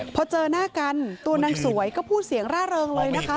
พอเจอหน้ากันตัวนางสวยก็พูดเสียงร่าเริงเลยนะคะ